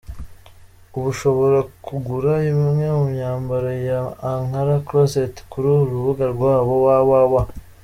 Ubu ushobora kugura imwe mu myambaro ya Ankara Closet kuru rubuga rwabo www.